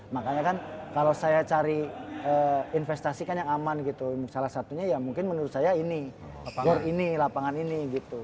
makanya kan kalau saya cari investasi kan yang aman gitu salah satunya ya mungkin menurut saya ini lapangan ini gitu